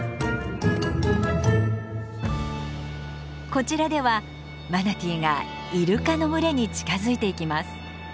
こちらではマナティーがイルカの群れに近づいていきます。